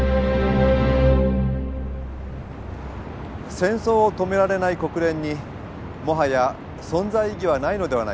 戦争を止められない国連にもはや存在意義はないのではないか。